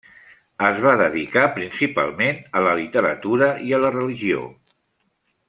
Es va dedicar principalment a la literatura i a la religió.